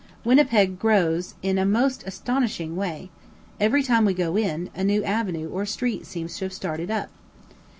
Winnipeg grows in a most astonishing way; every time we go in, a new avenue or street seems to have started up.